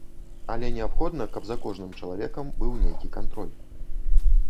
Але неабходна, каб за кожным чалавекам быў нейкі кантроль.